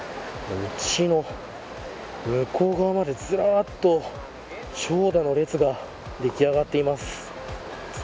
道の向こう側までずらっと長蛇の列ができあがっています。